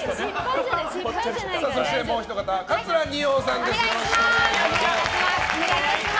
そして、もうひと方桂二葉さんです。